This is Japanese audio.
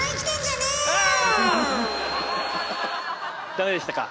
ダメでしたか。